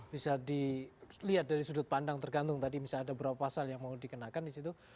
bisa dilihat dari sudut pandang tergantung tadi misalnya ada berapa pasal yang mau dikenakan di situ